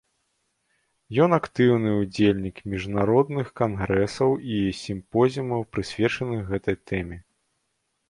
Ён актыўны ўдзельнік міжнародных кангрэсаў і сімпозіумаў, прысвечаных гэтай тэме.